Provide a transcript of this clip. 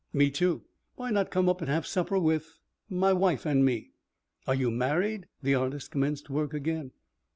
"Me, too. Why not come up and have supper with my wife and me?" "Are you married?" The artist commenced work again.